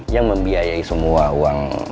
yang membiayai semua uang